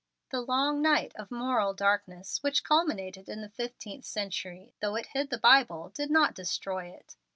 The long night of moral darkness which culminated in the fifteenth century, though it hid the Bible, did not destroy it.